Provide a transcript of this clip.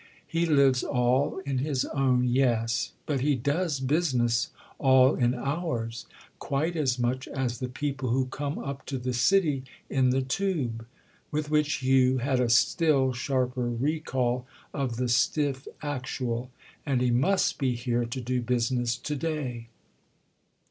"He lives all in his own, yes; but he does business all in ours—quite as much as the people who come up to the city in the Tube." With which Hugh had a still sharper recall of the stiff actual. "And he must be here to do business to day."